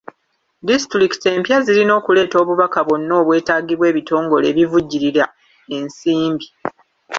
Disitulikiti empya zirina okuleeta obubaka bwonna obwetagibwa ebitongole ebivujjirira ensmbi.